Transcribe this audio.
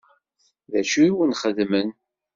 D acu i wen-xedmen?